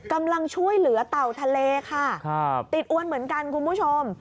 กำลังช่วยเหลือเต่าทะเลค่ะติดอ้วนเหมือนกันคุณผู้ชม